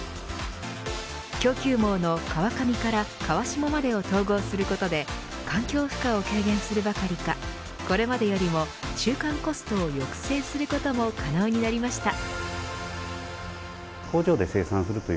供給網の川上から川下までを統合することで環境負荷を軽減するばかりかこれまでよりも中間コストを抑制することも可能になりました。